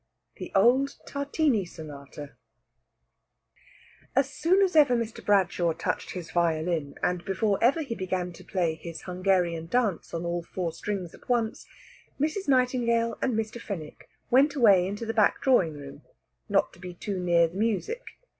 THE OLD TARTINI SONATA As soon as ever Mr. Bradshaw touched his violin, and before ever he began to play his Hungarian Dance on all four strings at once, Mrs. Nightingale and Mr. Fenwick went away into the back drawing room, not to be too near the music.